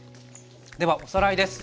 ではおさらいです。